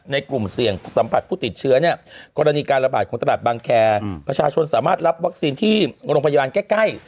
กลุ่มเสี่ยงสัมผัสผู้ติดเชื้อเนี่ยกรณีการระบาดของตลาดบางแคร์ประชาชนสามารถรับวัคซีนที่โรงพยาบาลใกล้